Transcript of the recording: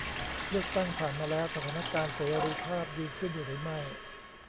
เลือกตั้งผ่านมาแล้ว สถานการณ์เสรีภาพดีขึ้นหรือไม่ ?